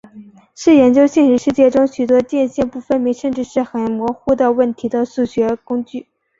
是研究现实世界中许多界限不分明甚至是很模糊的问题的数学工具。